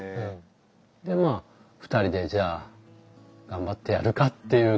でまあ２人でじゃあ頑張ってやるかっていう感じでうん。